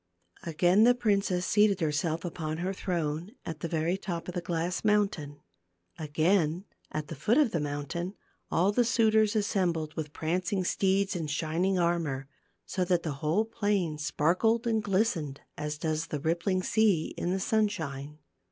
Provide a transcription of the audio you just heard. Again the princess seated her self upon her throne at the very top of the glass mountain. Again at the foot of the mountain all the suitors assembled with prancing steeds and shining armor, so that the whole plain sparkled and glistened, as does the rippling sea in the sunshine.